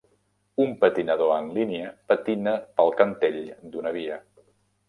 Un patinador en línia patina pel cantell d'una via.